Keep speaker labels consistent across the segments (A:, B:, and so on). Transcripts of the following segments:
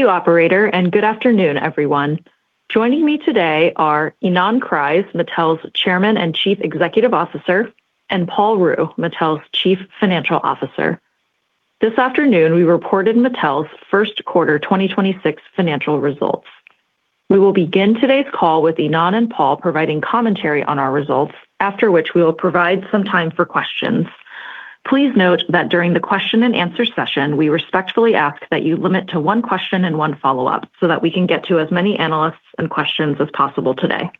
A: Thank you operator, good afternoon, everyone. Joining me today are Ynon Kreiz, Mattel's Chairman and Chief Executive Officer, and Paul Ruh, Mattel's Chief Financial Officer. This afternoon, we reported Mattel's Q1 of 2026 financial results. We will begin today's call with Ynon and Paul providing commentary on our results, after which we will provide some time for questions. Please note that during the question and answer session, we respectfully ask that you limit to one question and one follow-up so that we can get to as many analysts and questions as possible today.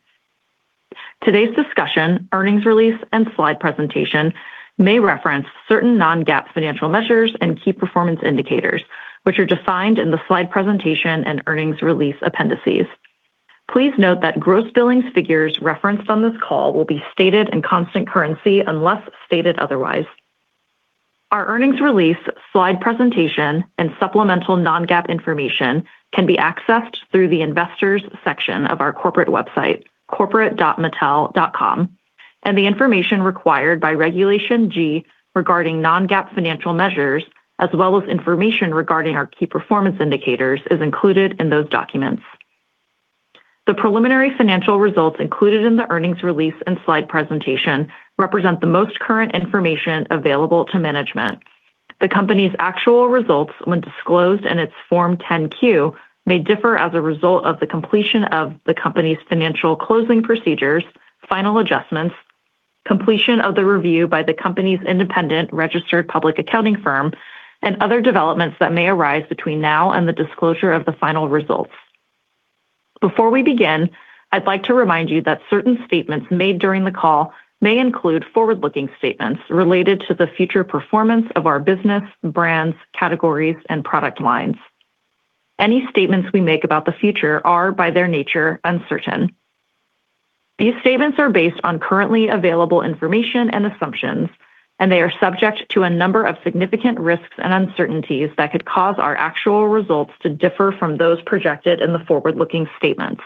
A: Today's discussion, earnings release, and slide presentation may reference certain non-GAAP financial measures and key performance indicators, which are defined in the slide presentation and earnings release appendices. Please note that gross billings figures referenced on this call will be stated in constant currency unless stated otherwise. Our earnings release, slide presentation, and supplemental non-GAAP information can be accessed through the Investors section of our corporate website, corporate.mattel.com, and the information required by Regulation G regarding non-GAAP financial measures, as well as information regarding our key performance indicators, is included in those documents. The preliminary financial results included in the earnings release and slide presentation represent the most current information available to management. The company's actual results, when disclosed in its Form 10-Q, may differ as a result of the completion of the company's financial closing procedures, final adjustments, completion of the review by the company's independent registered public accounting firm, and other developments that may arise between now and the disclosure of the final results. Before we begin, I'd like to remind you that certain statements made during the call may include forward-looking statements related to the future performance of our business, brands, categories, and product lines. Any statements we make about the future are, by their nature, uncertain. These statements are based on currently available information and assumptions, and they are subject to a number of significant risks and uncertainties that could cause our actual results to differ from those projected in the forward-looking statements.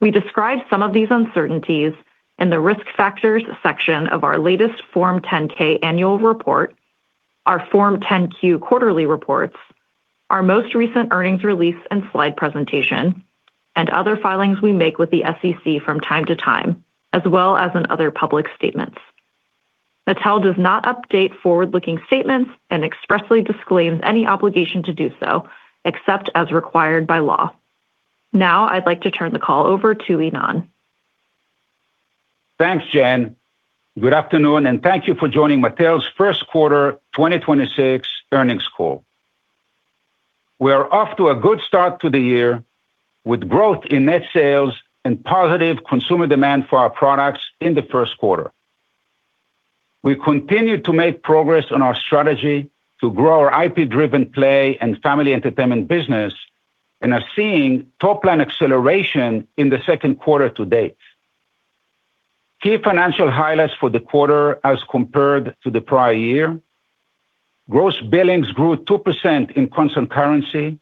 A: We describe some of these uncertainties in the Risk Factors section of our latest Form 10-K annual report, our Form 10-Q quarterly reports, our most recent earnings release and slide presentation, and other filings we make with the SEC from time to time, as well as in other public statements. Mattel does not update forward-looking statements and expressly disclaims any obligation to do so except as required by law. Now I'd like to turn the call over to Ynon.
B: Thanks, Jen. Good afternoon. Thank you for joining Mattel's Q1 of 2026 earnings call. We are off to a good start to the year with growth in net sales and positive consumer demand for our products in the Q1. We continue to make progress on our strategy to grow our IP-driven Play and Family Entertainment business and are seeing top line acceleration in the Q2 to date. Key financial highlights for the quarter as compared to the prior year. Gross billings grew 2% in constant currency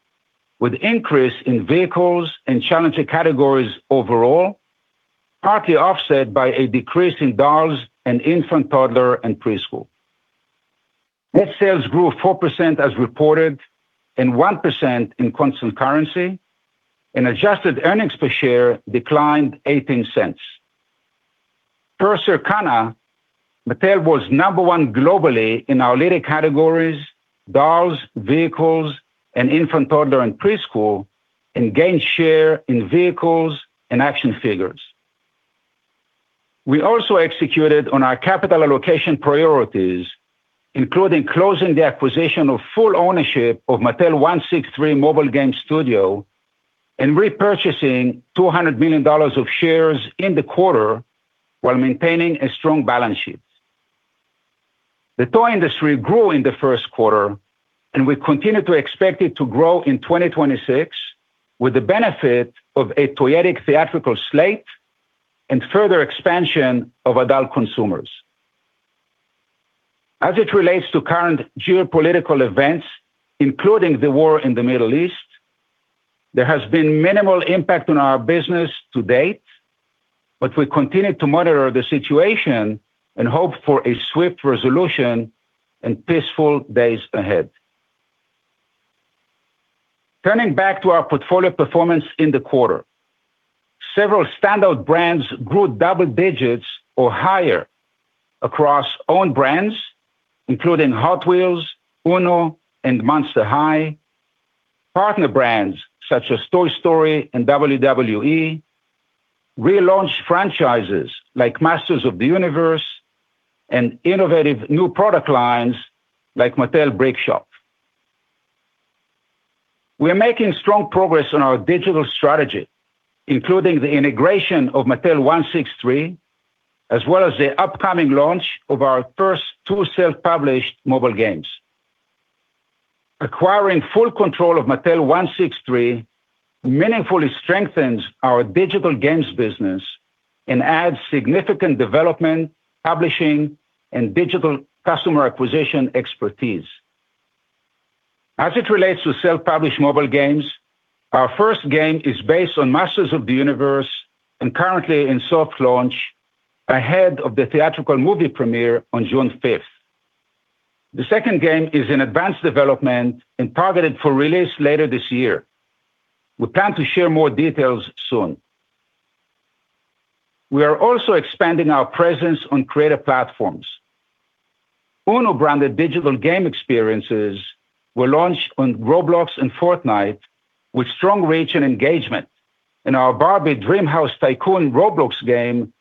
B: with increase in vehicles and challenging categories overall, partly offset by a decrease in dolls and infant, toddler, and preschool. Net sales grew 4% as reported and 1% in constant currency and adjusted earnings per share declined $0.18. Per Circana, Mattel was number 1 globally in our leading categories, dolls, vehicles, and infant, toddler, and preschool, and gained share in vehicles and action figures. We also executed on our capital allocation priorities, including closing the acquisition of full ownership of Mattel163 mobile game studio and repurchasing $200 million of shares in the quarter while maintaining a strong balance sheet. The toy industry grew in the Q1, and we continue to expect it to grow in 2026 with the benefit of a toyetic theatrical slate and further expansion of adult consumers. As it relates to current geopolitical events, including the war in the Middle East, there has been minimal impact on our business to date, but we continue to monitor the situation and hope for a swift resolution and peaceful days ahead. Turning back to our portfolio performance in the quarter. Several standout brands grew double digits or higher across own brands, including Hot Wheels, UNO, and Monster High, partner brands such as Toy Story and WWE, relaunched franchises like Masters of the Universe, and innovative new product lines like Mattel Brick Shop. We're making strong progress on our digital strategy, including the integration of Mattel163, as well as the upcoming launch of our first two self-published mobile games. Acquiring full control of Mattel163 meaningfully strengthens our digital games business and adds significant development, publishing, and digital customer acquisition expertise. As it relates to self-published mobile games, our first game is based on Masters of the Universe and currently in soft launch ahead of the theatrical movie premiere on June fifth. The second game is in advanced development and targeted for release later this year. We plan to share more details soon. We are also expanding our presence on creative platforms. UNO branded digital game experiences were launched on Roblox and Fortnite with strong reach and engagement, and our Barbie DreamHouse Tycoon Roblox game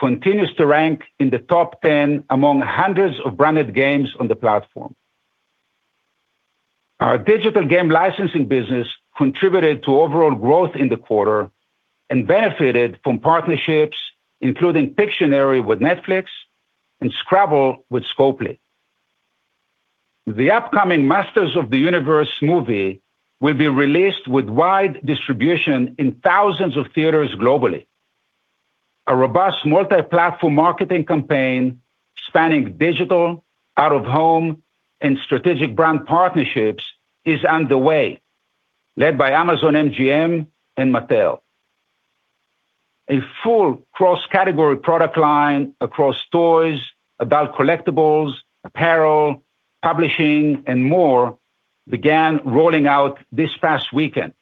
B: continues to rank in the top 10 among hundreds of branded games on the platform. Our digital game licensing business contributed to overall growth in the quarter and benefited from partnerships including Pictionary with Netflix and Scrabble with Scopely. The upcoming Masters of the Universe movie will be released with wide distribution in thousands of theaters globally. A robust multi-platform marketing campaign spanning digital, out-of-home, and strategic brand partnerships is underway, led by Amazon MGM and Mattel. A full cross-category product line across toys, adult collectibles, apparel, publishing, and more began rolling out this past weekend.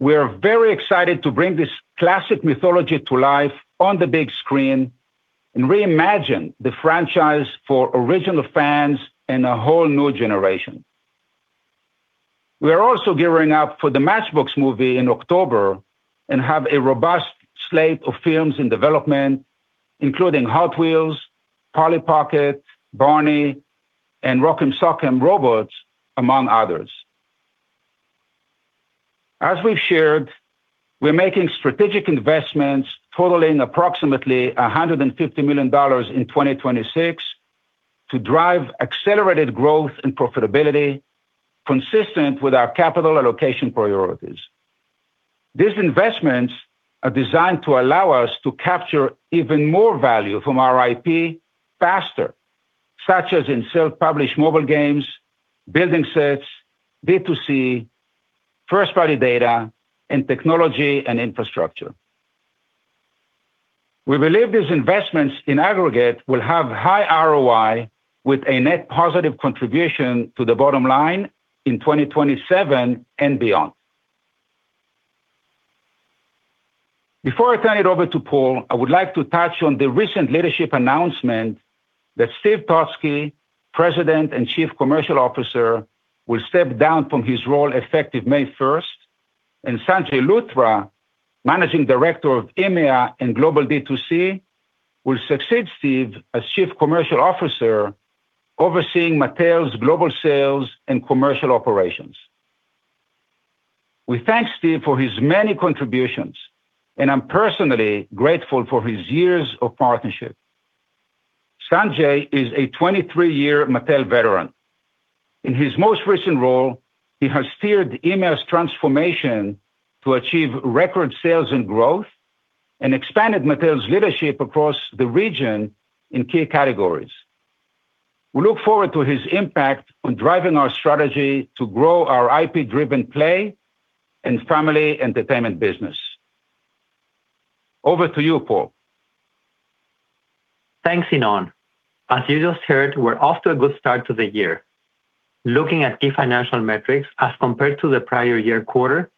B: We are very excited to bring this classic mythology to life on the big screen and reimagine the franchise for original fans and a whole new generation. We are also gearing up for the Matchbox movie in October and have a robust slate of films in development, including Hot Wheels, Polly Pocket, Barney, and Rock 'Em Sock 'Em Robots, among others. As we've shared, we're making strategic investments totaling approximately $150 million in 2026 to drive accelerated growth and profitability consistent with our capital allocation priorities. These investments are designed to allow us to capture even more value from our IP faster, such as in self-published mobile games, building sets, D2C, first-party data, and technology and infrastructure. We believe these investments in aggregate will have high ROI with a net positive contribution to the bottom line in 2027 and beyond. Before I turn it over to Paul, I would like to touch on the recent leadership announcement that Steve Totzke, President and Chief Commercial Officer, will step down from his role effective May 1st, and Sanjay Luthra, Managing Director of EMEA and Global D2C, will succeed Steve as Chief Commercial Officer overseeing Mattel's global sales and commercial operations. We thank Steve for his many contributions, and I'm personally grateful for his years of partnership. Sanjay is a 23-year Mattel veteran. In his most recent role, he has steered EMEA's transformation to achieve record sales and growth and expanded Mattel's leadership across the region in key categories. We look forward to his impact on driving our strategy to grow our IP-driven play and family entertainment business. Over to you, Paul.
C: Thanks, Ynon. As you just heard, we're off to a good start to the year. Looking at key financial metrics as compared to the prior year quarter,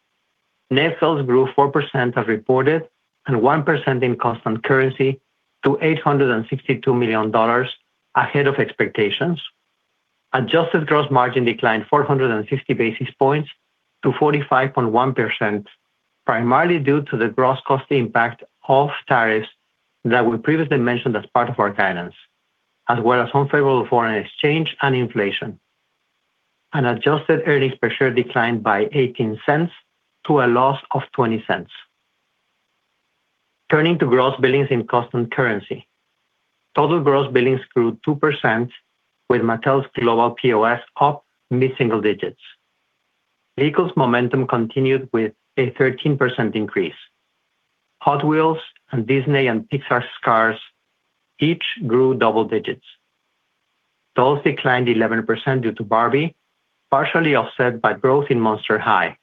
C: net sales grew 4% as reported and 1% in constant currency to $862 million ahead of expectations. Adjusted gross margin declined 460 basis points to 45.1%, primarily due to the gross cost impact of tariffs that we previously mentioned as part of our guidance, as well as unfavorable foreign exchange and inflation. Adjusted earnings per share declined by $0.18 to a loss of $0.20. Turning to gross billings in constant currency, total gross billings grew 2% with Mattel's global POS up mid-single digits. Vehicles momentum continued with a 13% increase. Hot Wheels and Disney and Pixar's Cars each grew double digits. Dolls declined 11% due to Barbie, partially offset by growth in Monster High.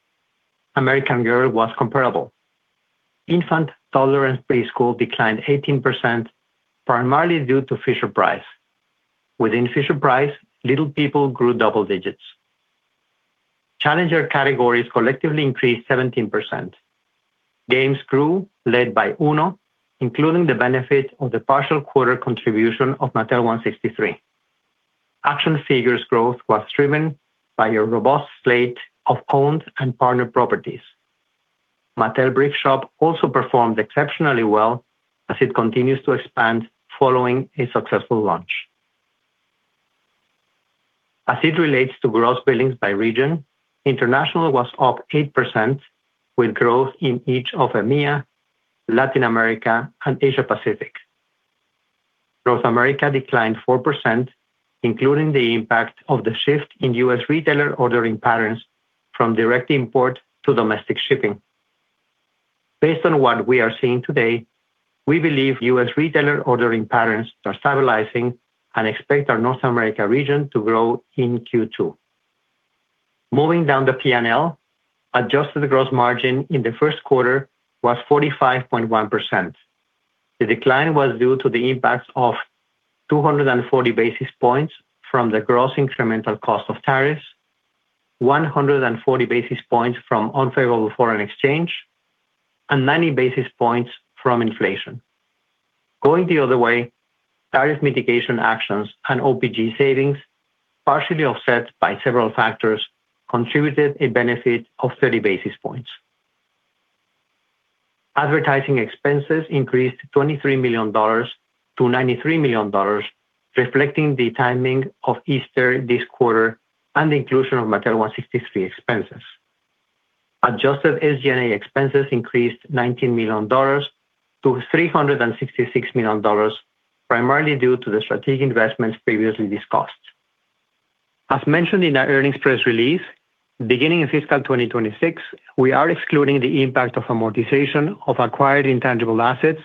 C: American Girl was comparable. Infant, toddler, and preschool declined 18%, primarily due to Fisher-Price. Within Fisher-Price, Little People grew double digits. Challenger categories collectively increased 17%. Games grew, led by UNO, including the benefit of the partial quarter contribution of Mattel163. Action Figures growth was driven by a robust slate of owned and partner properties. Mattel Brick Shop also performed exceptionally well as it continues to expand following a successful launch. As it relates to gross billings by region, international was up 8% with growth in each of EMEA, Latin America, and Asia Pacific. North America declined 4%, including the impact of the shift in U.S. retailer ordering patterns from direct import to domestic shipping. Based on what we are seeing today, we believe U.S. retailer ordering patterns are stabilizing and expect our North America region to grow in Q2. Moving down the P&L, adjusted gross margin in the Q1 was 45.1%. The decline was due to the impact of 240 basis points from the gross incremental cost of tariffs, 140 basis points from unfavorable foreign exchange, and 90 basis points from inflation. Going the other way, tariff mitigation actions and OPG savings, partially offset by several factors, contributed a benefit of 30 basis points. Advertising expenses increased $23 million to $93 million, reflecting the timing of Easter this quarter and the inclusion of Mattel163 expenses. Adjusted SG&A expenses increased $19 million to $366 million, primarily due to the strategic investments previously discussed. As mentioned in our earnings press release, beginning in fiscal 2026, we are excluding the impact of amortization of acquired intangible assets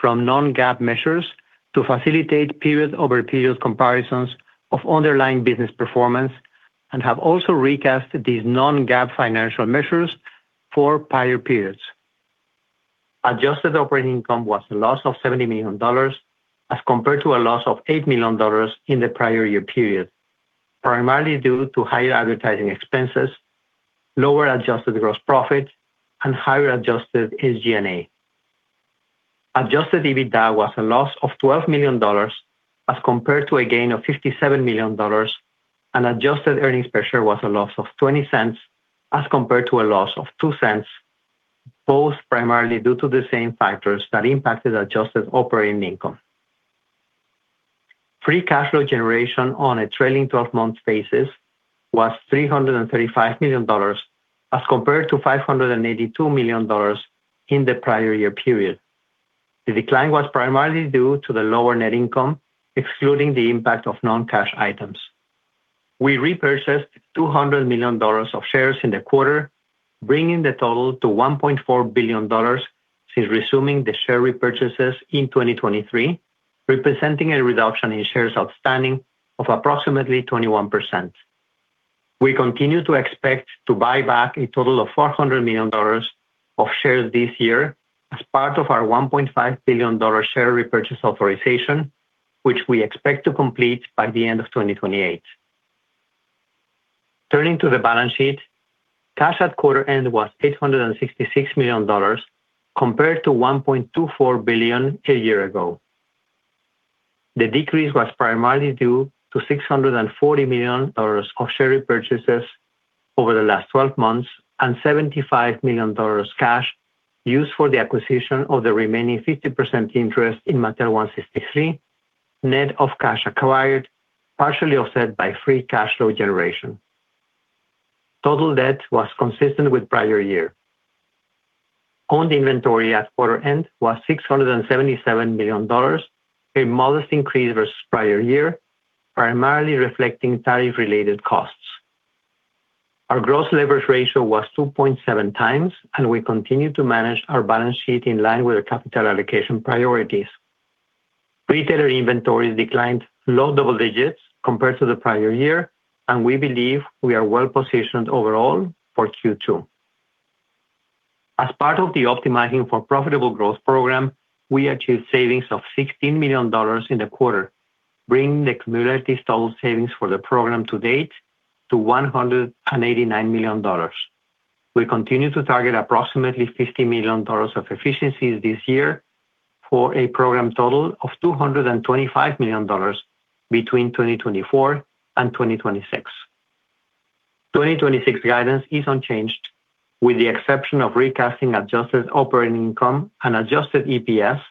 C: from non-GAAP measures to facilitate period-over-period comparisons of underlying business performance and have also recasted these non-GAAP financial measures for prior periods. Adjusted operating income was a loss of $70 million as compared to a loss of $8 million in the prior year period, primarily due to higher advertising expenses, lower adjusted gross profit and higher adjusted SG&A. Adjusted EBITDA was a loss of $12 million as compared to a gain of $57 million, and adjusted earnings per share was a loss of $0.20 as compared to a loss of $0.02, both primarily due to the same factors that impacted adjusted operating income. Free cash flow generation on a trailing 12-month basis was $335 million as compared to $582 million in the prior year period. The decline was primarily due to the lower net income, excluding the impact of non-cash items. We repurchased $200 million of shares in the quarter, bringing the total to $1.4 billion since resuming the share repurchases in 2023, representing a reduction in shares outstanding of approximately 21%. We continue to expect to buy back a total of $400 million of shares this year as part of our $1.5 billion share repurchase authorization, which we expect to complete by the end of 2028. Turning to the balance sheet, cash at quarter end was $866 million compared to $1.24 billion a year ago. The decrease was primarily due to $640 million of share repurchases over the last 12 months and $75 million cash used for the acquisition of the remaining 50% interest in Mattel163, net of cash acquired, partially offset by free cash flow generation. Total debt was consistent with prior year. Owned inventory at quarter end was $677 million, a modest increase versus prior year, primarily reflecting tariff related costs. Our growth leverage ratio was 2.7 times, and we continue to manage our balance sheet in line with our capital allocation priorities. Retailer inventory declined low double digits compared to the prior year, and we believe we are well positioned overall for Q2. As part of the Optimizing for Profitable Growth program, we achieved savings of $16 million in the quarter, bringing the cumulative total savings for the program to date to $189 million. We continue to target approximately $50 million of efficiencies this year for a program total of $225 million between 2024 and 2026. 2026 guidance is unchanged with the exception of recasting adjusted operating income and adjusted EPS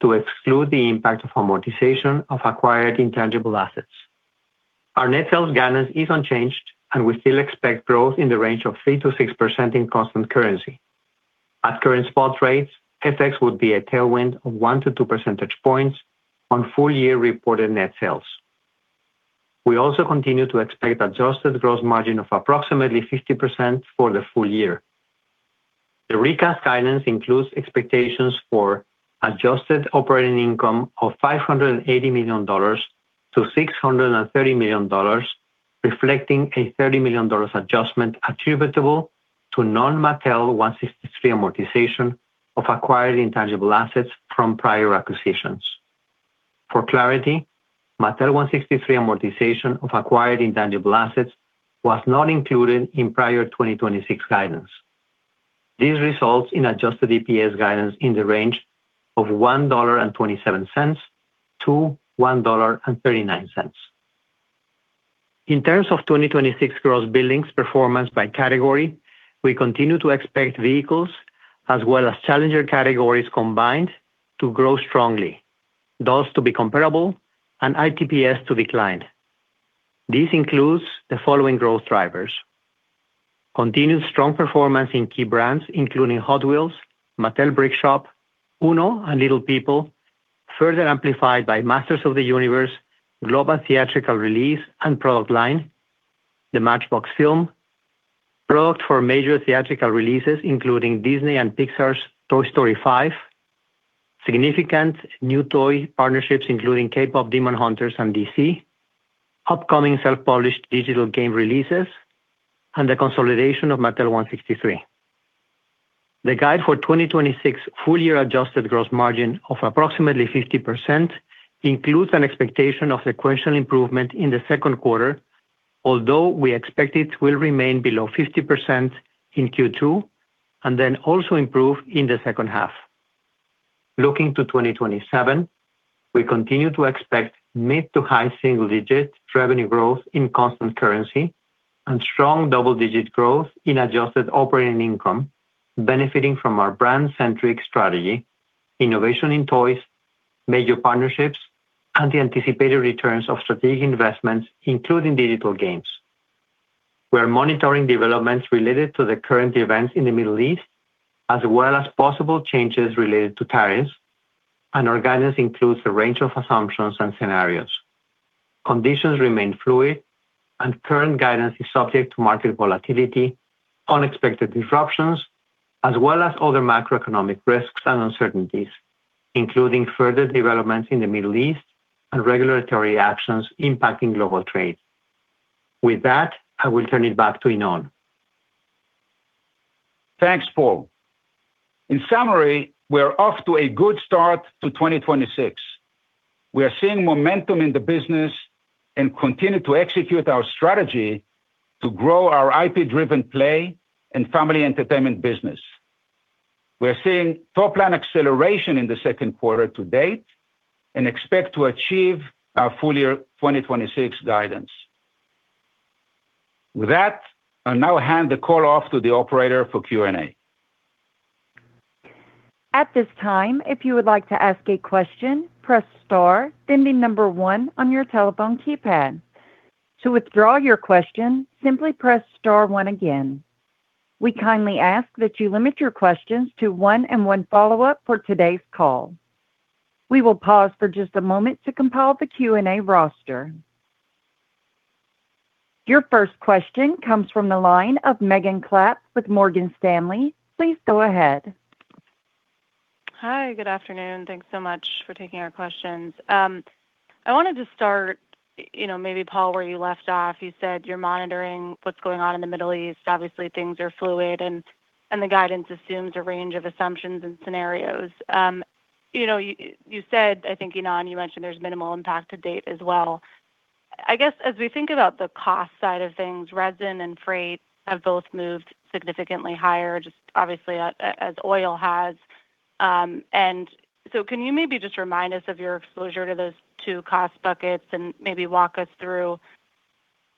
C: to exclude the impact of amortization of acquired intangible assets. Our net sales guidance is unchanged, and we still expect growth in the range of 3%-6% in constant currency. At current spot rates, FX would be a tailwind of 1 to 2 percentage points on full year reported net sales. We also continue to expect adjusted gross margin of approximately 50% for the full year. The recast guidance includes expectations for adjusted operating income of $580 million-$630 million, reflecting a $30 million adjustment attributable to non-Mattel163 amortization of acquired intangible assets from prior acquisitions. For clarity, Mattel163 amortization of acquired intangible assets was not included in prior 2026 guidance. This results in adjusted EPS guidance in the range of $1.27-$1.39. In terms of 2026 gross billings performance by category, we continue to expect vehicles as well as challenger categories combined to grow strongly, dolls to be comparable, and ITPS to decline. This includes the following growth drivers. Continued strong performance in key brands including Hot Wheels, Mattel Brick Shop, UNO and Little People, further amplified by Masters of the Universe global theatrical release and product line, the Matchbox film, product for major theatrical releases including Disney and Pixar's Toy Story 5, significant new toy partnerships including KPop Demon Hunters and DC, upcoming self-published digital game releases, and the consolidation of Mattel163. The guide for 2026 full year adjusted gross margin of approximately 50% includes an expectation of sequential improvement in the Q2. Although we expect it will remain below 50% in Q2 and then also improve in the H2. Looking to 2027, we continue to expect mid-to-high single-digit revenue growth in constant currency and strong double-digit growth in adjusted operating income, benefiting from our brand-centric strategy, innovation in toys, major partnerships, and the anticipated returns of strategic investments, including digital games. We are monitoring developments related to the current events in the Middle East, as well as possible changes related to tariffs. Our guidance includes a range of assumptions and scenarios. Conditions remain fluid and current guidance is subject to market volatility, unexpected disruptions, as well as other macroeconomic risks and uncertainties, including further developments in the Middle East and regulatory actions impacting global trade. With that, I will turn it back to Ynon.
B: Thanks, Paul. In summary, we're off to a good start to 2026. We are seeing momentum in the business and continue to execute our strategy to grow our IP-driven play and family entertainment business. We're seeing top line acceleration in the Q2 to date and expect to achieve our full year 2026 guidance. With that, I'll now hand the call off to the operator for Q&A.
D: At this time, if you would like to ask a question, press star one on your telephone keypad. To withdraw your question, simply press star one again. We kindly ask that you limit your questions to one and one follow-up for today's call. We will pause for just a moment to compile the Q&A roster. Your first question comes from the line of Megan Meyer with Morgan Stanley. Please go ahead.
E: Hi, good afternoon. Thanks so much for taking our questions. I wanted to start, you know, maybe Paul, where you left off. You said you're monitoring what's going on in the Middle East. Obviously, things are fluid and the guidance assumes a range of assumptions and scenarios. You know, I think, Ynon, you mentioned there's minimal impact to date as well. I guess, as we think about the cost side of things, resin and freight have both moved significantly higher, just obviously, as oil has. Can you maybe just remind us of your exposure to those two cost buckets and maybe walk us through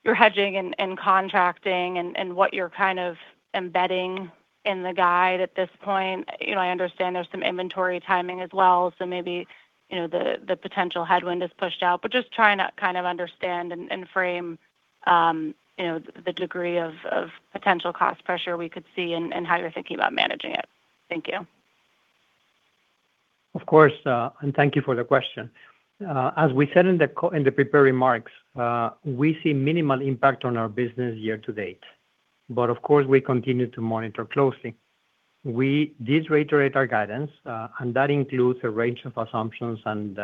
E: your hedging and contracting and what you're kind of embedding in the guide at this point? You know, I understand there's some inventory timing as well. Maybe, you know, the potential headwind is pushed out, but just trying to kind of understand and frame, you know, the degree of potential cost pressure we could see and how you're thinking about managing it. Thank you.
C: Of course. Thank you for the question. As we said in the prepared remarks, we see minimal impact on our business year to date, but of course we continue to monitor closely. We did reiterate our guidance, and that includes a range of assumptions and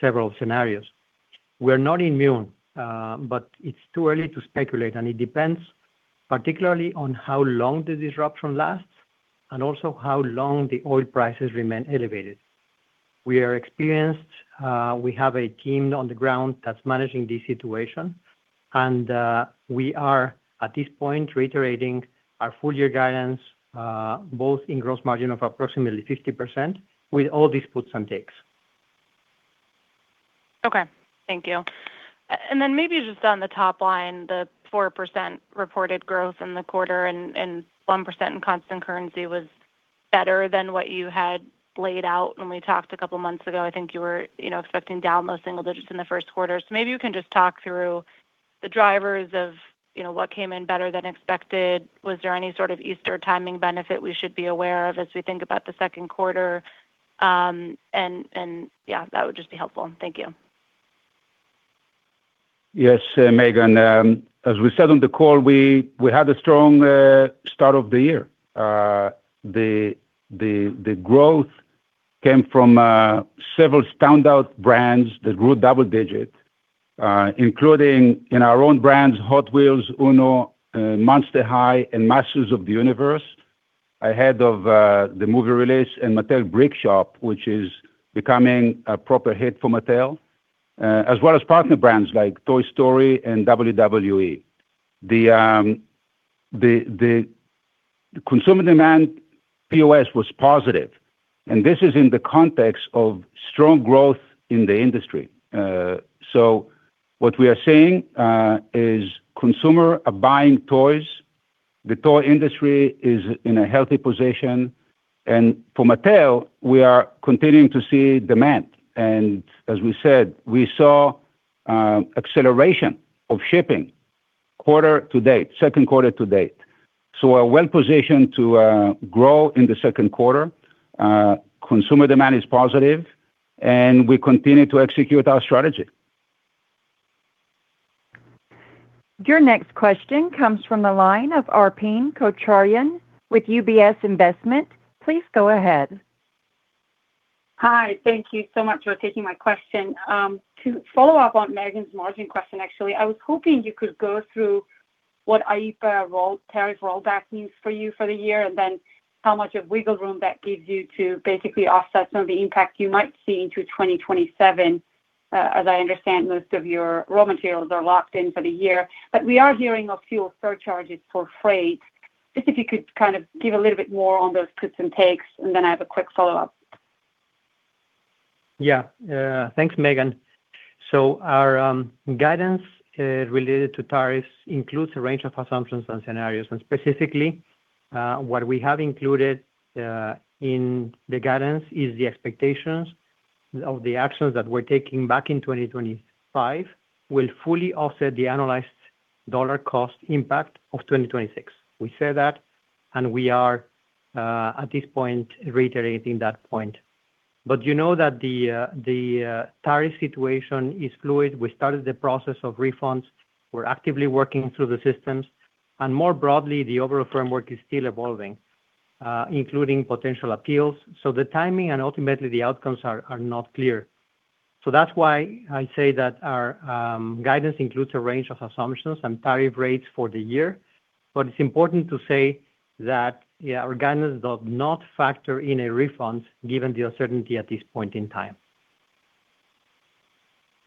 C: several scenarios. We're not immune, but it's too early to speculate, and it depends particularly on how long the disruption lasts and also how long the oil prices remain elevated. We are experienced. We have a team on the ground that's managing this situation. We are, at this point, reiterating our full year guidance, both in gross margin of approximately 50% with all these puts and takes.
E: Okay. Thank you. Then maybe just on the top line, the 4% reported growth in the quarter and 1% in constant currency was better than what you had laid out when we talked a couple of months ago. I think you were, you know, expecting down low single digits in the Q1. Maybe you can just talk through the drivers of, you know, what came in better than expected. Was there any sort of Easter timing benefit we should be aware of as we think about the Q2? Yeah, that would just be helpful. Thank you.
B: Yes, Megan As we said on the call, we had a strong start of the year. The growth came from several standout brands that grew double-digit, including in our own brands, Hot Wheels, UNO, Monster High, and Masters of the Universe. Ahead of the movie release and Mattel Brick Shop, which is becoming a proper hit for Mattel, as well as partner brands like Toy Story and WWE. The consumer demand POS was positive. This is in the context of strong growth in the industry. What we are seeing is consumer are buying toys. The toy industry is in a healthy position. For Mattel, we are continuing to see demand. As we said, we saw acceleration of shipping quarter to date, Q2 to date. We're well-positioned to grow in the second quarter. Consumer demand is positive, and we continue to execute our strategy.
D: Your next question comes from the line of Arpine Kocharian with UBS Investment. Please go ahead.
F: Hi. Thank you so much for taking my question. To follow up on Megan's margin question, actually, I was hoping you could go through what IEEPA tariff rollback means for you for the year, and then how much of wiggle room that gives you to basically offset some of the impact you might see into 2027. As I understand, most of your raw materials are locked in for the year. We are hearing of fuel surcharges for freight. If you could give a little bit more on those puts and takes, and then I have a quick follow-up.
C: Yeah. Thanks, Megan. Our guidance related to tariffs includes a range of assumptions and scenarios. Specifically, what we have included in the guidance is the expectations of the actions that we're taking back in 2025 will fully offset the analyzed dollar cost impact of 2026. We said that, and we are at this point reiterating that point. You know that the tariff situation is fluid. We started the process of refunds. We're actively working through the systems. More broadly, the overall framework is still evolving, including potential appeals. The timing and ultimately the outcomes are not clear. That's why I say that our guidance includes a range of assumptions and tariff rates for the year. It's important to say that, yeah, our guidance does not factor in a refund given the uncertainty at this point in time.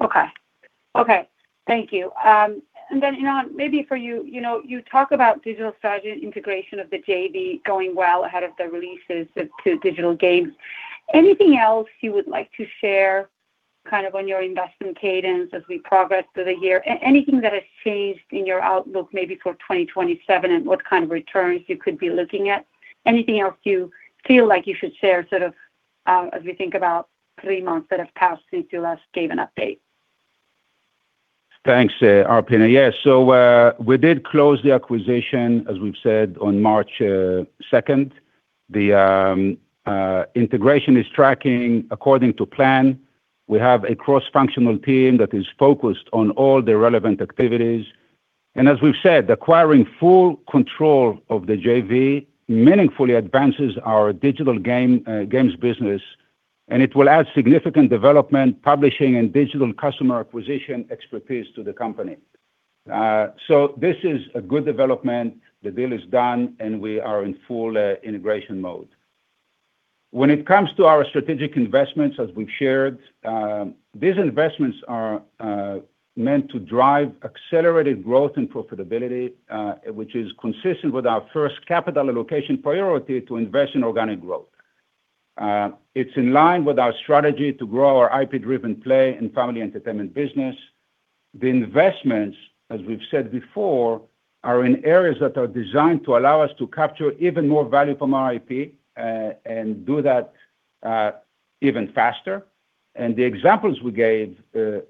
F: Okay. Okay. Thank you. Ynon Kreiz, maybe for you know, you talk about digital strategy integration of the JV going well ahead of the releases to digital games. Anything else you would like to share kind of on your investment cadence as we progress through the year? Anything that has changed in your outlook maybe for 2027, and what kind of returns you could be looking at? Anything else you feel like you should share sort of, as we think about three months that have passed since you last gave an update?
B: Thanks, Arpine. Yes. We did close the acquisition, as we've said, on March 2nd. The integration is tracking according to plan. We have a cross-functional team that is focused on all the relevant activities. As we've said, acquiring full control of the JV meaningfully advances our digital games business, and it will add significant development, publishing, and digital customer acquisition expertise to the company. This is a good development. The deal is done, and we are in full integration mode. When it comes to our strategic investments, as we've shared, these investments are meant to drive accelerated growth and profitability, which is consistent with our first capital allocation priority to invest in organic growth. It's in line with our strategy to grow our IP-driven Play and Family Entertainment business. The investments, as we've said before, are in areas that are designed to allow us to capture even more value from our IP and do that even faster. The examples we gave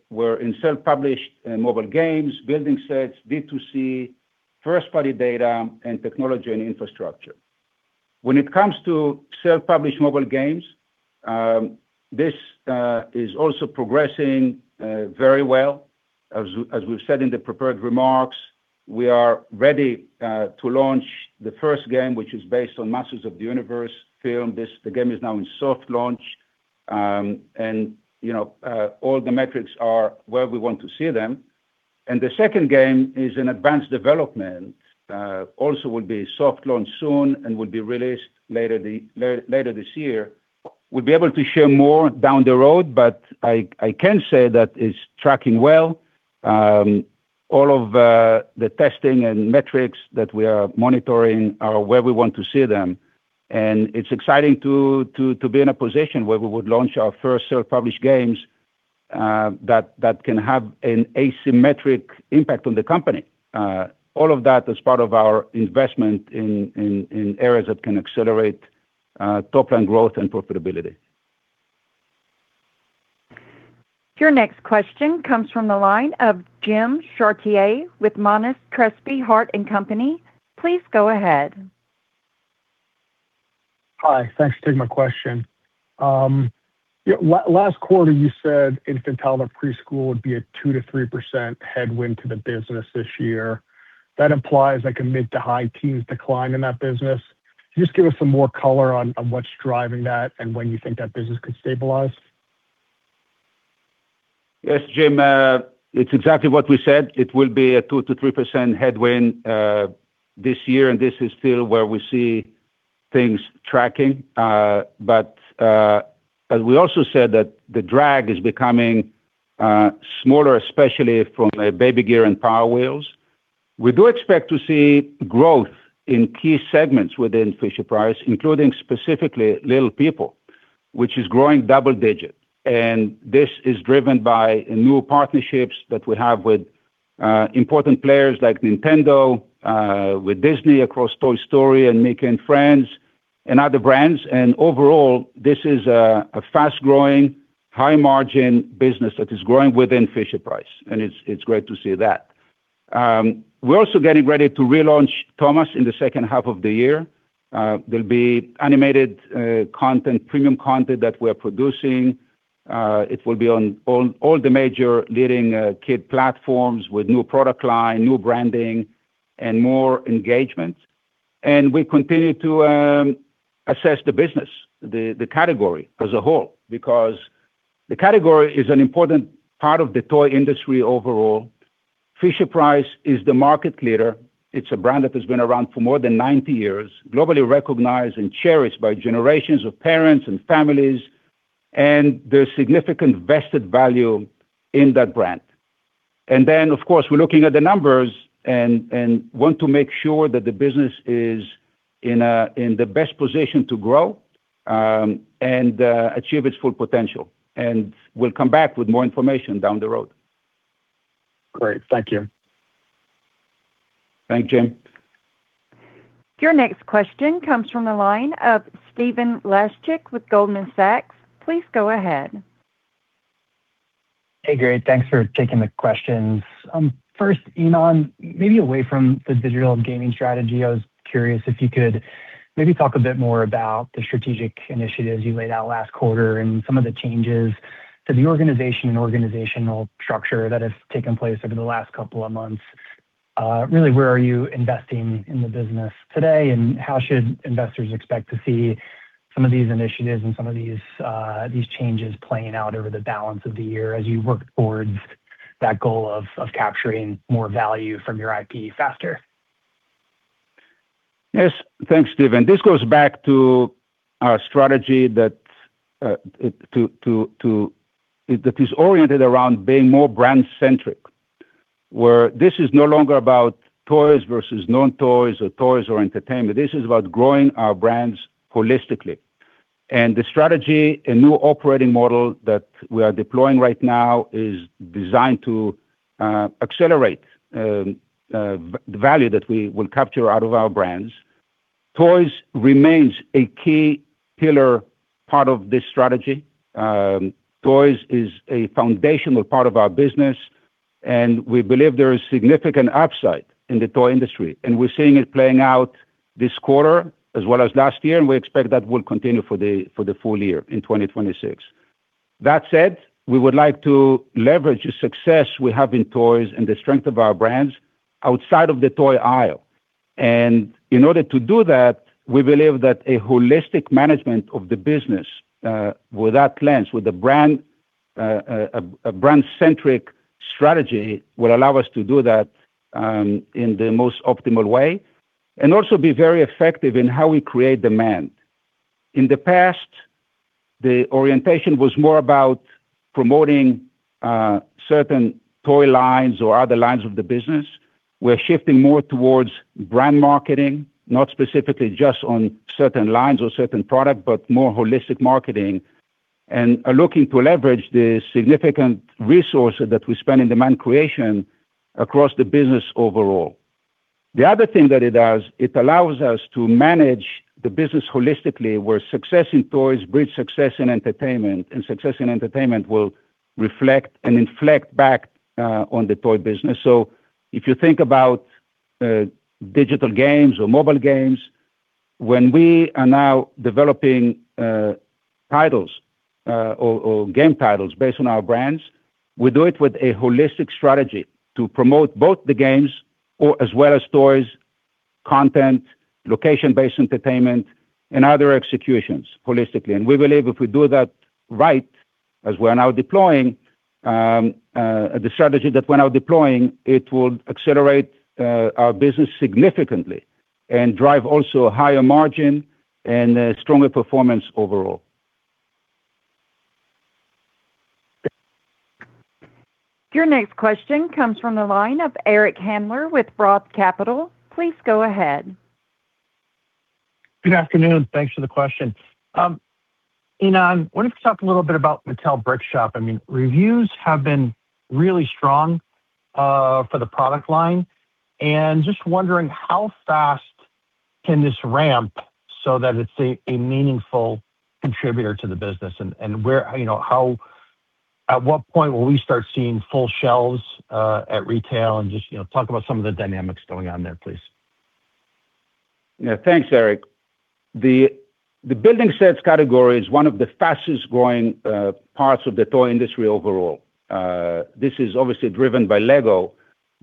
B: were in self-published mobile games, building sets, D2C, first-party data, and technology and infrastructure. When it comes to self-published mobile games, this is also progressing very well. As we've said in the prepared remarks, we are ready to launch the first game, which is based on Masters of the Universe film. The game is now in soft launch. You know, all the metrics are where we want to see them. The second game is in advanced development, also will be soft launch soon and will be released later this year. We'll be able to share more down the road, but I can say that it's tracking well. All of the testing and metrics that we are monitoring are where we want to see them. It's exciting to be in a position where we would launch our first self-published games that can have an asymmetric impact on the company. All of that as part of our investment in areas that can accelerate top line growth and profitability.
D: Your next question comes from the line of Jim Chartier with Monness, Crespi, Hardt & Co. Please go ahead.
G: Hi. Thanks for taking my question. Last quarter, you said infant toddler preschool would be a 2%-3% headwind to the business this year. That implies like a mid-to-high teens decline in that business. Can you just give us some more color on what's driving that and when you think that business could stabilize?
B: Yes, Jim. It's exactly what we said. It will be a 2%-3% headwind this year, and this is still where we see things tracking. But as we also said that the drag is becoming smaller, especially from baby gear and Power Wheels. We do expect to see growth in key segments within Fisher-Price, including specifically Little People, which is growing double-digit. This is driven by new partnerships that we have with important players like Nintendo, with Disney across Toy Story and Mickey and Friends and other brands. Overall, this is a fast-growing, high-margin business that is growing within Fisher-Price, and it's great to see that. We're also getting ready to relaunch Thomas in the H2 of the year. There'll be animated content, premium content that we're producing. It will be on all the major leading kid platforms with new product line, new branding, and more engagement. We continue to assess the business, the category as a whole, because the category is an important part of the toy industry overall. Fisher-Price is the market leader. It's a brand that has been around for more than 90 years, globally recognized and cherished by generations of parents and families, and there's significant vested value in that brand. Of course, we're looking at the numbers and want to make sure that the business is in the best position to grow and achieve its full potential. We'll come back with more information down the road.
G: Great. Thank you.
B: Thank you.
D: Your next question comes from the line of Stephen Laszczyk with Goldman Sachs. Please go ahead.
H: Hey, great. Thanks for taking the questions. First, Ynon, maybe away from the digital and gaming strategy, I was curious if you could maybe talk a bit more about the strategic initiatives you laid out last quarter and some of the changes to the organization and organizational structure that has taken place over the last couple of months. Really, where are you investing in the business today, and how should investors expect to see some of these initiatives and some of these changes playing out over the balance of the year as you work towards that goal of capturing more value from your IP faster?
B: Yes. Thanks, Stephen. This goes back to our strategy that is oriented around being more brand-centric, where this is no longer about toys versus non-toys or toys or entertainment. This is about growing our brands holistically. The strategy and new operating model that we are deploying right now is designed to accelerate value that we will capture out of our brands. Toys remains a key pillar part of this strategy. Toys is a foundational part of our business, and we believe there is significant upside in the toy industry. We're seeing it playing out this quarter as well as last year, and we expect that will continue for the full year in 2026. That said, we would like to leverage the success we have in toys and the strength of our brands outside of the toy aisle. In order to do that, we believe that a holistic management of the business, with that lens, with a brand, a brand-centric strategy will allow us to do that, in the most optimal way and also be very effective in how we create demand. In the past, the orientation was more about promoting certain toy lines or other lines of the business. We're shifting more towards brand marketing, not specifically just on certain lines or certain product, but more holistic marketing, and are looking to leverage the significant resources that we spend in demand creation across the business overall. The other thing that it does, it allows us to manage the business holistically, where success in toys breeds success in entertainment, and success in entertainment will reflect and inflect back on the toy business. If you think about digital games or mobile games, when we are now developing titles based on our brands, we do it with a holistic strategy to promote both the games as well as toys, content, location-based entertainment, and other executions holistically. We believe if we do that right, as we're now deploying the strategy that we're now deploying, it will accelerate our business significantly and drive also a higher margin and a stronger performance overall.
D: Your next question comes from the line of Eric Handler with Roth Capital. Please go ahead.
I: Good afternoon. Thanks for the question. Ynon, I wondered if you could talk a little bit about Mattel Brick Shop. I mean, reviews have been really strong for the product line, and just wondering how fast can this ramp so that it's a meaningful contributor to the business. Where, you know, at what point will we start seeing full shelves at retail? Just, you know, talk about some of the dynamics going on there, please.
B: Thanks, Eric. The building sets category is one of the fastest-growing parts of the toy industry overall. This is obviously driven by Lego,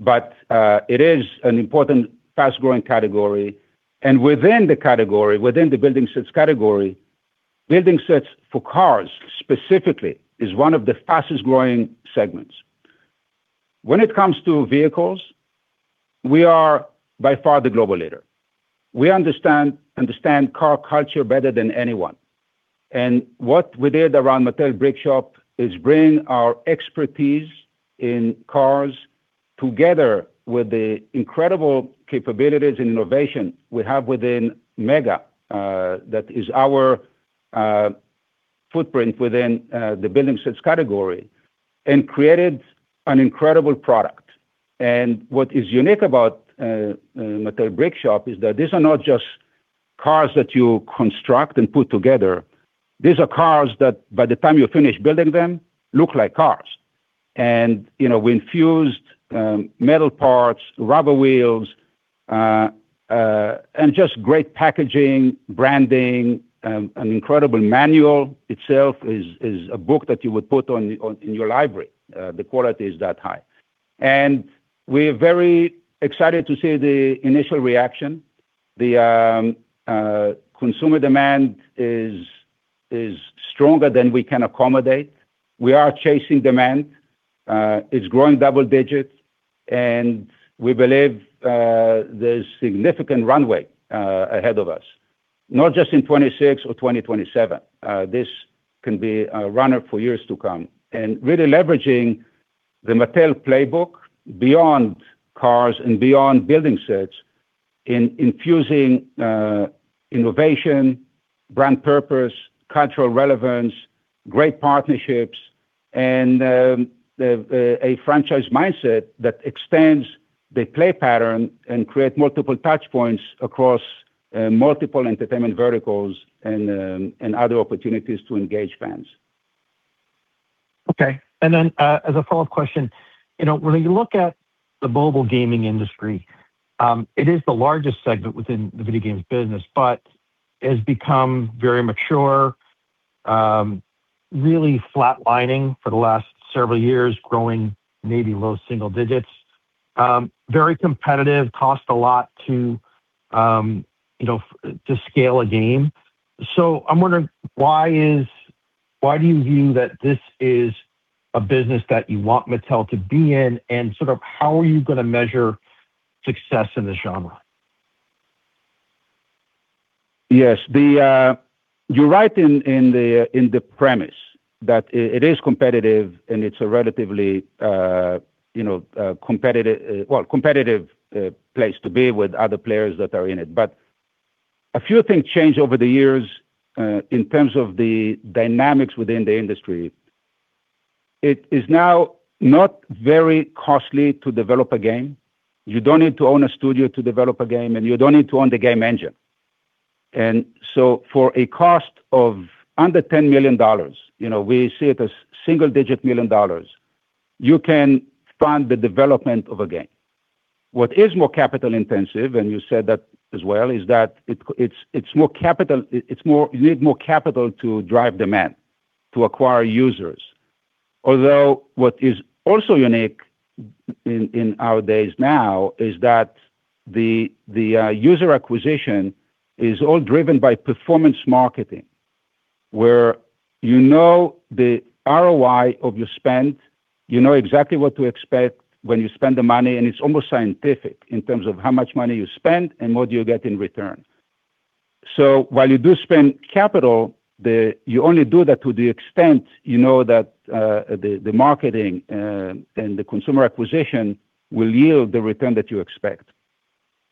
B: it is an important fast-growing category. Within the building sets category, building sets for cars specifically is one of the fastest-growing segments. When it comes to vehicles, we are by far the global leader. We understand car culture better than anyone. What we did around Mattel Brick Shop is bring our expertise in cars together with the incredible capabilities and innovation we have within MEGA, that is our footprint within the building sets category, and created an incredible product. What is unique about Mattel Brick Shop is that these are not just cars that you construct and put together. These are cars that by the time you finish building them, look like cars. You know, we infused metal parts, rubber wheels, and just great packaging, branding, an incredible manual itself is a book that you would put in your library. The quality is that high. We're very excited to see the initial reaction. The consumer demand is stronger than we can accommodate. We are chasing demand. It's growing double digits, and we believe there's significant runway ahead of us, not just in 26 or 2027. This can be a runner for years to come. Really leveraging the Mattel playbook beyond cars and beyond building sets in infusing innovation, brand purpose, cultural relevance, great partnerships and a franchise mindset that extends the play pattern and create multiple touch points across multiple entertainment verticals and other opportunities to engage fans.
I: Then, as a follow-up question, you know, when you look at the mobile gaming industry, it is the largest segment within the video games business, but it's become very mature, really flatlining for the last several years, growing maybe low single digits. Very competitive. Cost a lot to, you know, to scale a game. I'm wondering why do you view that this is a business that you want Mattel to be in, and sort of how are you going to measure success in this genre?
B: Yes. You're right in the, in the premise that it is competitive, and it's a relatively, you know, competitive place to be with other players that are in it. A few things changed over the years in terms of the dynamics within the industry. It is now not very costly to develop a game. You don't need to own a studio to develop a game, and you don't need to own the game engine. For a cost of under $10 million, you know, we see it as single-digit million dollars, you can fund the development of a game. What is more capital intensive, and you said that as well, is that you need more capital to drive demand to acquire users. Although what is also unique in our days now is that the user acquisition is all driven by performance marketing, where you know the ROI of your spend, you know exactly what to expect when you spend the money, and it's almost scientific in terms of how much money you spend and what you get in return. While you do spend capital, you only do that to the extent you know that the marketing and the consumer acquisition will yield the return that you expect.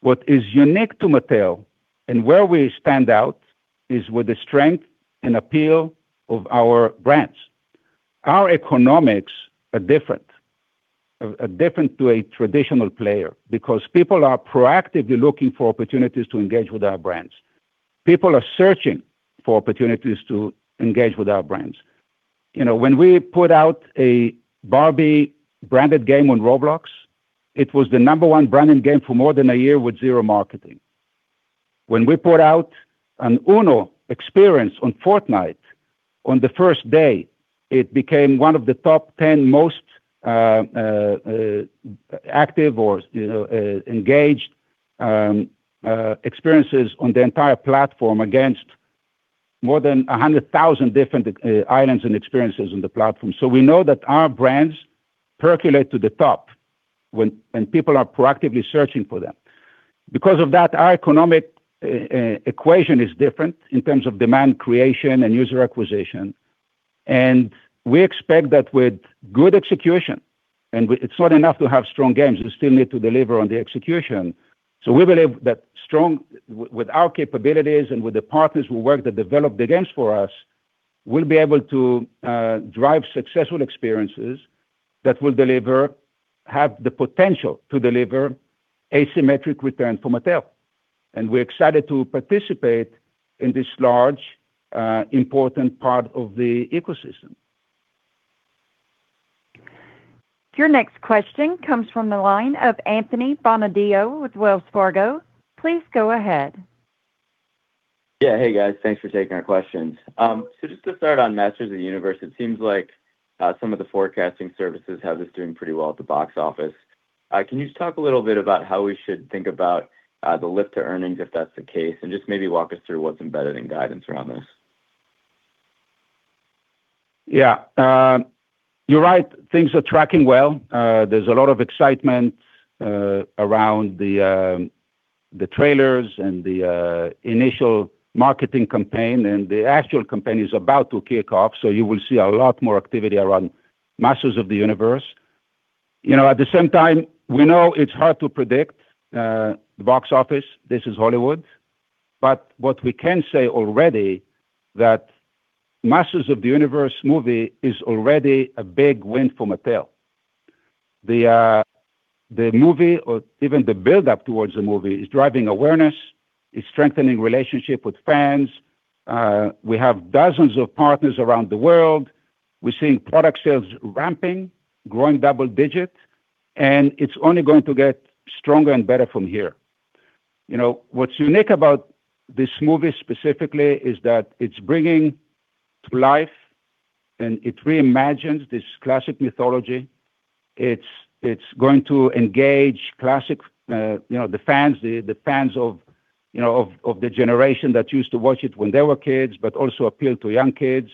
B: What is unique to Mattel and where we stand out is with the strength and appeal of our brands. Our economics are different. Are different to a traditional player because people are proactively looking for opportunities to engage with our brands. People are searching for opportunities to engage with our brands. You know, when we put out a Barbie branded game on Roblox, it was the number 1 branded game for more than 1 year with 0 marketing. When we put out an UNO experience on Fortnite, on the first day, it became 1 of the top 10 most active or, you know, engaged experiences on the entire platform against more than 100,000 different islands and experiences in the platform. We know that our brands percolate to the top when people are proactively searching for them. Because of that, our economic equation is different in terms of demand creation and user acquisition. We expect that with good execution, it's not enough to have strong games, we still need to deliver on the execution. We believe that strong. W-with our capabilities and with the partners we work that develop the games for us, we'll be able to drive successful experiences that will deliver, have the potential to deliver asymmetric return for Mattel. We're excited to participate in this large, important part of the ecosystem.
D: Your next question comes from the line of Anthony Bonadio with Wells Fargo. Please go ahead.
J: Yeah. Hey, guys. Thanks for taking our questions. Just to start on Masters of the Universe, it seems like some of the forecasting services have this doing pretty well at the box office. Can you just talk a little bit about how we should think about the lift to earnings, if that's the case, and just maybe walk us through what's embedded in guidance around this?
B: Yeah. You're right, things are tracking well. There's a lot of excitement around the trailers and the initial marketing campaign. The actual campaign is about to kick off, so you will see a lot more activity around Masters of the Universe. You know, at the same time, we know it's hard to predict the box office. This is Hollywood. What we can say already, that Masters of the Universe movie is already a big win for Mattel. The movie or even the build-up towards the movie is driving awareness. It's strengthening relationship with fans. We have dozens of partners around the world. We're seeing product sales ramping, growing double-digit, and it's only going to get stronger and better from here. You know, what's unique about this movie specifically is that it's bringing to life and it reimagines this classic mythology. It's going to engage classic, you know, the fans of the generation that used to watch it when they were kids, but also appeal to young kids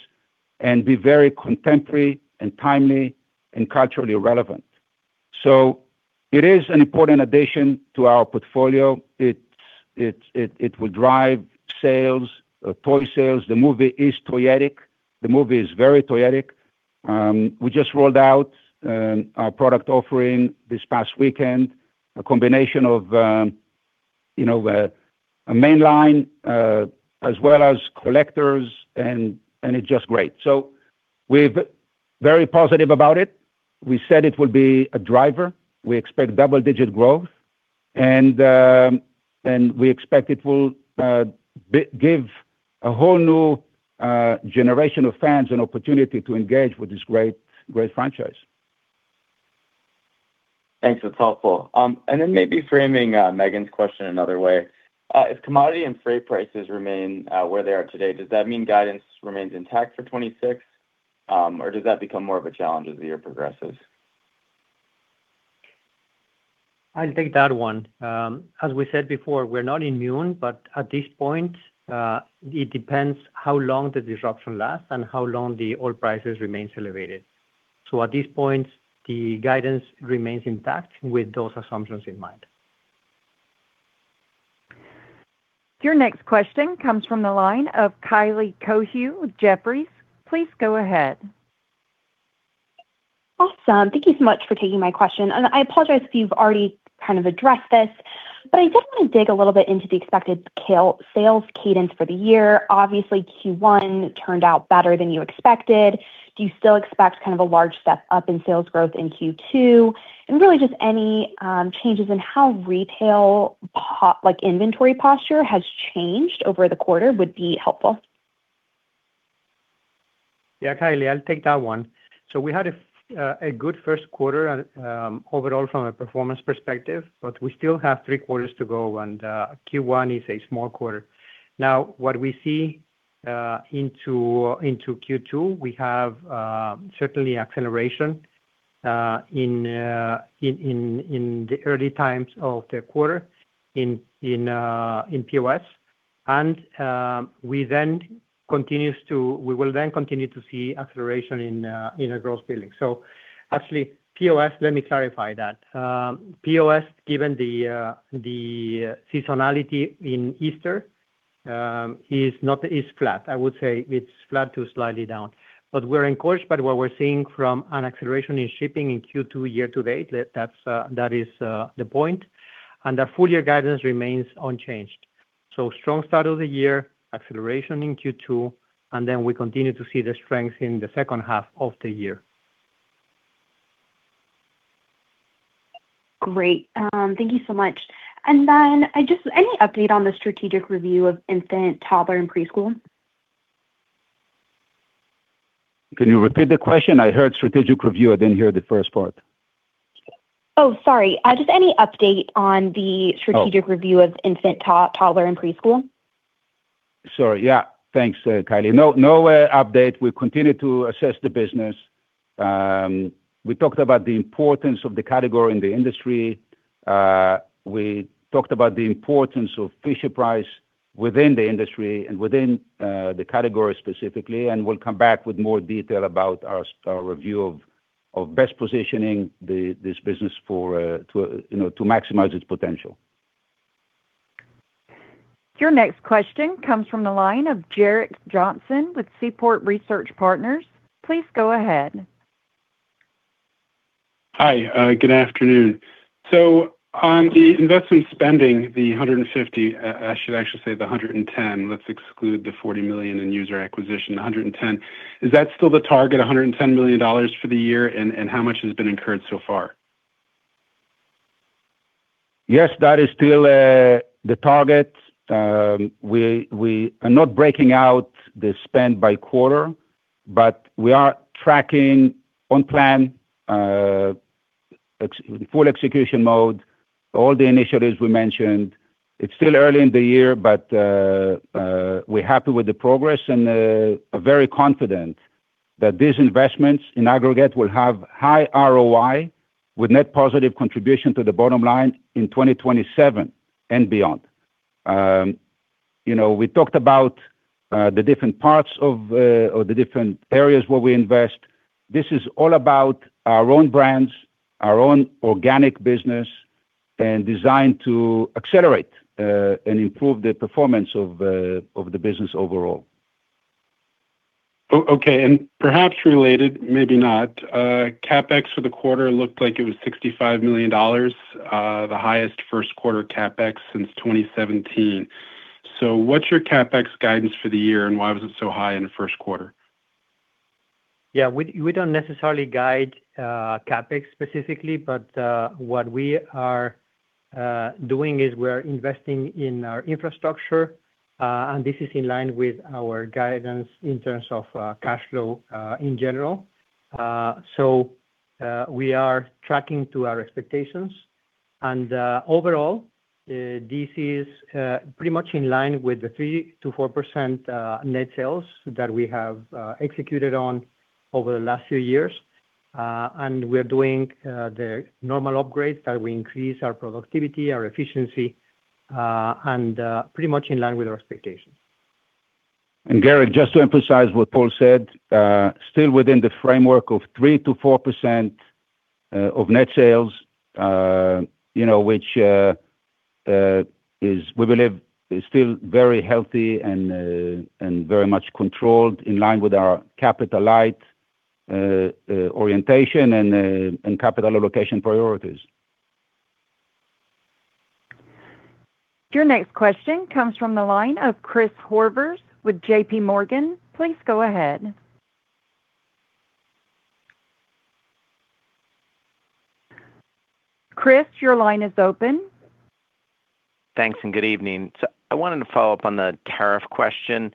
B: and be very contemporary and timely and culturally relevant. It is an important addition to our portfolio. It will drive sales, toy sales. The movie is toyetic. The movie is very toyetic. We just rolled out our product offering this past weekend, a combination of, you know, a main line, as well as collectors and it's just great. We're very positive about it. We said it will be a driver. We expect double-digit growth and we expect it will give a whole new generation of fans an opportunity to engage with this great franchise.
J: Thanks. That's helpful. Then maybe framing Megan's question another way. If commodity and freight prices remain where they are today, does that mean guidance remains intact for 2026, or does that become more of a challenge as the year progresses?
C: I'll take that one. As we said before, we're not immune, but at this point, it depends how long the disruption lasts and how long the oil prices remains elevated. At this point, the guidance remains intact with those assumptions in mind.
D: Your next question comes from the line of Kylie Cohu with Jefferies. Please go ahead.
K: Awesome. Thank you so much for taking my question. I apologize if you've already kind of addressed this, I did want to dig a little bit into the expected sales cadence for the year. Obviously, Q1 turned out better than you expected. Do you still expect kind of a large step up in sales growth in Q2? Really just any changes in how retail like inventory posture has changed over the quarter would be helpful.
C: Yeah, Kylie, I'll take that one. We had a good Q1 overall from a performance perspective, but we still have three quarters to go and Q1 is a small quarter. What we see into Q2, we have certainly acceleration in the early times of the quarter in POS. We will then continue to see acceleration in our gross billing. Actually, POS, let me clarify that. POS, given the seasonality in Easter, is not as flat. I would say it's flat to slightly down. We're encouraged by what we're seeing from an acceleration in shipping in Q2 year to date. That's that is the point. Our full year guidance remains unchanged. Strong start of the year, acceleration in Q2, and then we continue to see the strength in the H2 of the year.
K: Great. thank you so much. Then just any update on the strategic review of infant, toddler, and preschool?
B: Can you repeat the question? I heard strategic review. I didn't hear the first part.
K: Oh, sorry. Just any update on the strategic-
B: Oh...
K: review of infant, to-toddler, and preschool?
B: Sorry. Yeah. Thanks, Kylie Cohu. No, no update. We continue to assess the business. We talked about the importance of the category in the industry. We talked about the importance of Fisher-Price within the industry and within the category specifically, and we'll come back with more detail about our review of best positioning this business for, to, you know, to maximize its potential.
D: Your next question comes from the line of Gerrick Johnson with Seaport Research Partners. Please go ahead.
L: Hi. Good afternoon. On the investment spending, the 150, I should actually say the 110, let's exclude the $40 million in user acquisition, 110. Is that still the target, $110 million for the year? How much has been incurred so far?
B: Yes, that is still the target. We are not breaking out the spend by quarter, but we are tracking on plan, full execution mode all the initiatives we mentioned. It's still early in the year, but we're happy with the progress and are very confident that these investments in aggregate will have high ROI with net positive contribution to the bottom line in 2027 and beyond. You know, we talked about the different parts of or the different areas where we invest. This is all about our own brands, our own organic business, and designed to accelerate and improve the performance of the business overall.
L: Okay. Perhaps related, maybe not, CapEx for the quarter looked like it was $65 million, the highest Q1 CapEx since 2017. What's your CapEx guidance for the year, and why was it so high in the Q1?
C: Yeah, we don't necessarily guide CapEx specifically, but what we are doing is we're investing in our infrastructure. This is in line with our guidance in terms of cash flow in general. We are tracking to our expectations. Overall, this is pretty much in line with the 3%-4% net sales that we have executed on over the last few years. We're doing the normal upgrades that will increase our productivity, our efficiency, and pretty much in line with our expectations.
B: Gerrick, just to emphasize what Paul said, still within the framework of 3%-4% of net sales, you know, which is we believe is still very healthy and very much controlled in line with our capital light orientation and capital allocation priorities.
D: Your next question comes from the line of Christopher Horvers with J.P. Morgan. Please go ahead. Chris, your line is open.
M: Thanks. Good evening. I wanted to follow up on the tariff question.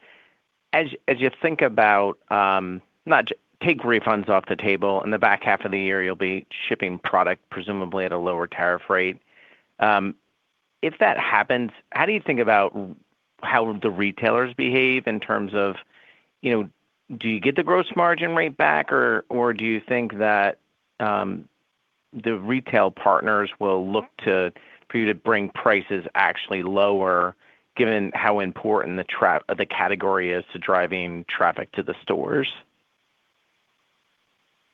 M: As you think about not take refunds off the table, in the back half of the year you'll be shipping product presumably at a lower tariff rate. If that happens, how do you think about how the retailers behave in terms of, you know, do you get the gross margin rate back or do you think that the retail partners will look to, for you to bring prices actually lower given how important the category is to driving traffic to the stores?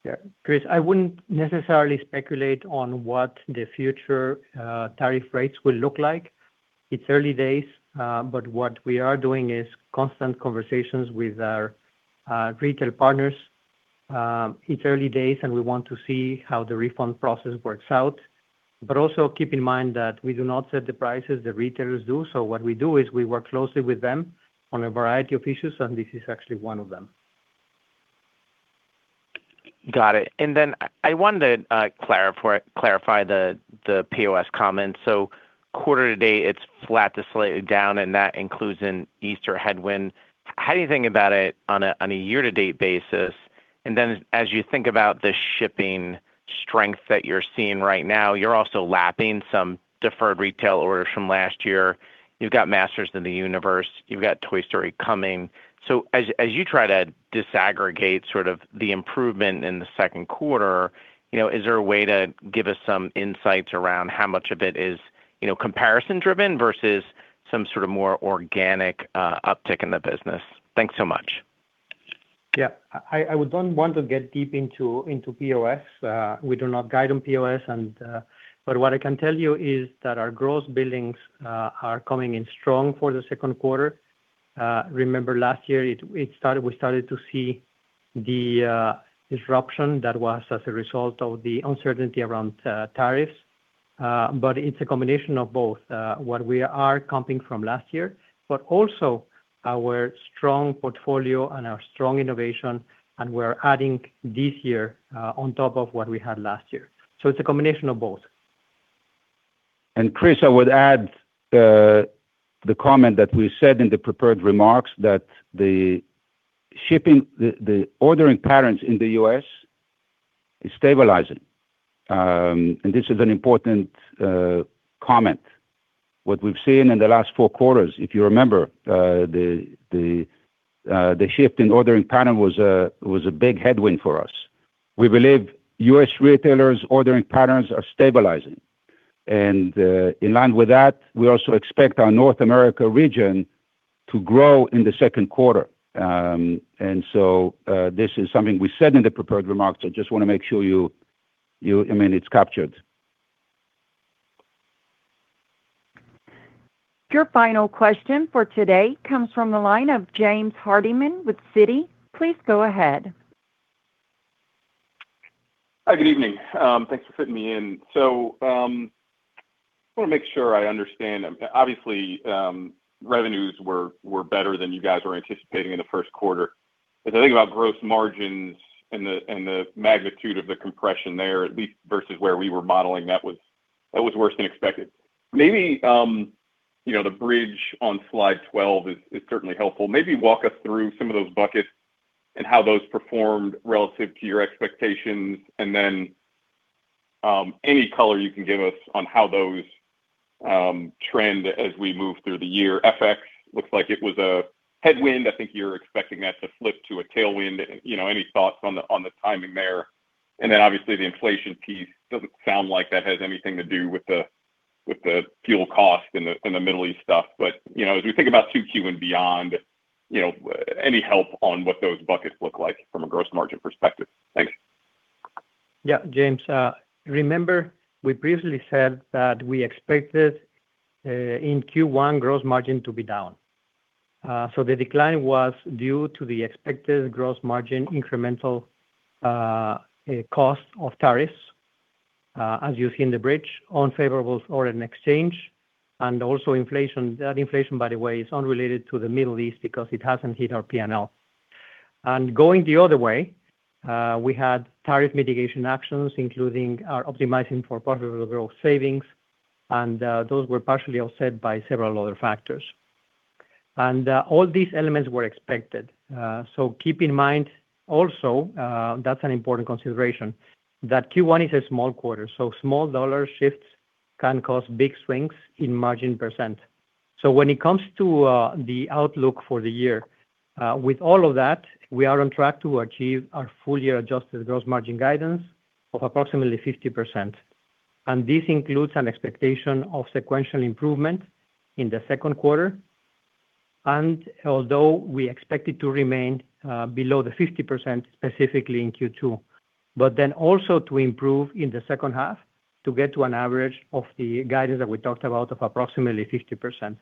C: Yeah. Chris, I wouldn't necessarily speculate on what the future tariff rates will look like. It's early days, what we are doing is constant conversations with our retail partners. It's early days, we want to see how the refund process works out. Also keep in mind that we do not set the prices, the retailers do. What we do is we work closely with them on a variety of issues, and this is actually one of them.
M: Got it. I wanted to clarify the POS comments. quarter to date it's flat to slightly down, and that includes an Easter headwind. How do you think about it on a year to date basis? As you think about the shipping strength that you're seeing right now, you're also lapping some deferred retail orders from last year. You've got Masters of the Universe, you've got Toy Story coming. As you try to disaggregate sort of the improvement in the Q2, you know, is there a way to give us some insights around how much of it is, you know, comparison driven versus some sort of more organic uptick in the business? Thanks so much.
C: Yeah. I don't want to get deep into POS. We do not guide on POS. What I can tell you is that our gross billings are coming in strong for the Q2. Remember last year we started to see the disruption that was as a result of the uncertainty around tariffs. It's a combination of both what we are coming from last year, but also our strong portfolio and our strong innovation, and we're adding this year on top of what we had last year. It's a combination of both.
B: Chris, I would add the comment that we said in the prepared remarks that the shipping, the ordering patterns in the U.S. is stabilizing. This is an important comment. What we've seen in the last four quarters, if you remember, the shift in ordering pattern was a big headwind for us. We believe U.S. retailers ordering patterns are stabilizing. In line with that, we also expect our North America region to grow in the Q2. This is something we said in the prepared remarks. I just want to make sure I mean, it's captured.
D: Your final question for today comes from the line of James Hardiman with Citi. Please go ahead.
N: Hi, good evening. Thanks for fitting me in. I want to make sure I understand. Obviously, revenues were better than you guys were anticipating in the Q1. As I think about gross margins and the magnitude of the compression there, at least versus where we were modeling, that was worse than expected. Maybe, you know, the bridge on slide 12 is certainly helpful. Maybe walk us through some of those buckets and how those performed relative to your expectations, any color you can give us on how those trend as we move through the year. FX looks like it was a headwind. I think you're expecting that to flip to a tailwind. You know, any thoughts on the timing there? Obviously the inflation piece doesn't sound like that has anything to do with the, with the fuel cost in the, in the Middle East stuff. You know, as we think about 2Q and beyond, you know, any help on what those buckets look like from a gross margin perspective? Thanks.
C: James, remember we previously said that we expected in Q1 gross margin to be down. The decline was due to the expected gross margin incremental cost of tariffs. As you see in the bridge, unfavorable foreign exchange and also inflation. That inflation, by the way, is unrelated to the Middle East because it hasn't hit our P&L. Going the other way, we had tariff mitigation actions, including our Optimizing for Profitable Growth overall savings, and those were partially offset by several other factors. All these elements were expected. Keep in mind also, that's an important consideration, that Q1 is a small quarter, so small dollar shifts can cause big swings in margin %. The outlook for the year, with all of that, we are on track to achieve our full year adjusted gross margin guidance of approximately 50%. This includes an expectation of sequential improvement in the Q2. We expect it to remain below the 50%, specifically in Q2, also to improve in the H2 to get to an average of the guidance that we talked about of approximately 50%.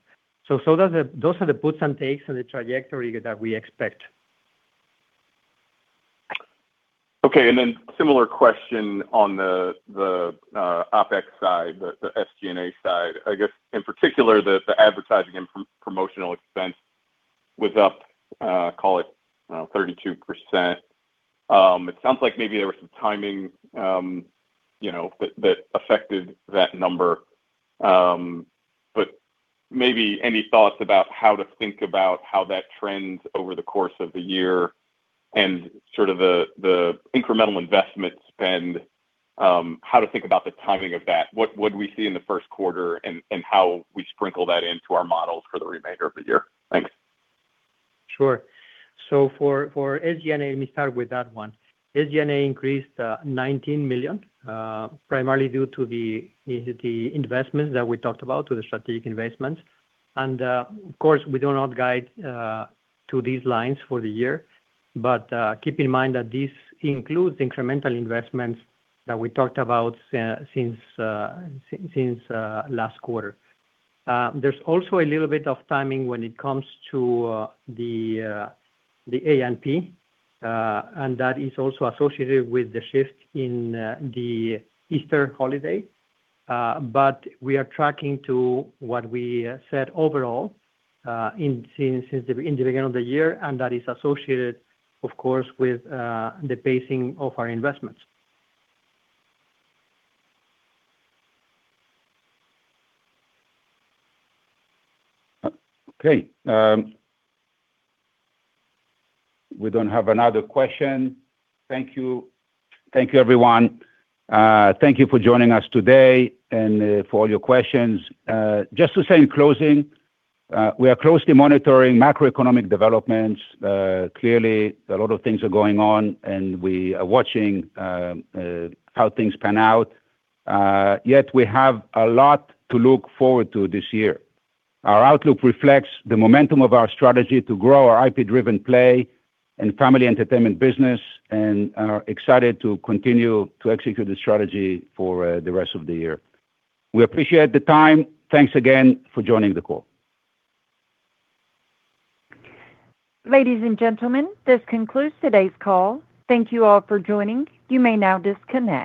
C: That's the, those are the puts and takes in the trajectory that we expect.
N: Okay. Similar question on the OpEx side, the SG&A side. I guess in particular, the advertising and promotional expense was up, call it, 32%. It sounds like maybe there was some timing, you know, that affected that number. Maybe any thoughts about how to think about how that trends over the course of the year and sort of the incremental investment spend, how to think about the timing of that? What would we see in the Q1and how we sprinkle that into our models for the remainder of the year? Thanks.
C: Sure. For SG&A, let me start with that one. SG&A increased $19 million primarily due to the investments that we talked about, to the strategic investments. Of course, we do not guide to these lines for the year, but keep in mind that this includes incremental investments that we talked about since last quarter. There's also a little bit of timing when it comes to the A&P, and that is also associated with the shift in the Easter holiday. We are tracking to what we said overall since the beginning of the year, and that is associated, of course, with the pacing of our investments.
B: Okay. We don't have another question. Thank you. Thank you, everyone. Thank you for joining us today and for all your questions. Just to say in closing, we are closely monitoring macroeconomic developments. Clearly a lot of things are going on, and we are watching how things pan out. We have a lot to look forward to this year. Our outlook reflects the momentum of our strategy to grow our IP-driven play and family entertainment business and are excited to continue to execute the strategy for the rest of the year. We appreciate the time. Thanks again for joining the call.
D: Ladies and gentlemen, this concludes today's call. Thank you all for joining. You may now disconnect.